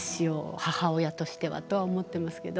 母親としてはと思っていますけど。